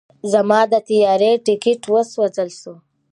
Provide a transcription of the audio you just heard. زما د طیارې ټیکټ وسوځل شو.